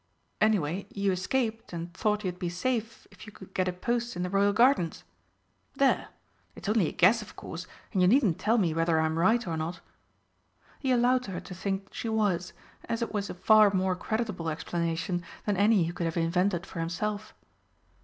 Anyway, you escaped, and thought you'd be safe if you could get a post in the Royal Gardens. There! it is only a guess, of course, and you needn't tell me whether I'm right or not." He allowed her to think she was, as it was a far more creditable explanation than any he could have invented for himself.